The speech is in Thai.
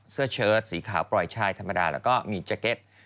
เชิดสีขาวปล่อยชายธรรมดาแล้วก็มีแจ็คเก็ต